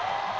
oh pak arda